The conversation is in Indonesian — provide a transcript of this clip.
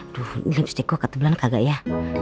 aduh lipstick gue katebelan kagak ya